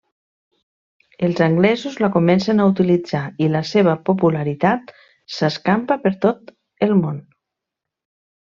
Els anglesos la comencen a utilitzar i la seva popularitat s'escampa per tot el món.